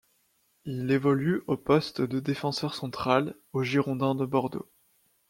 Il évolue au poste de défenseur central au Girondins de Bordeaux.